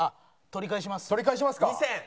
取り返しますか。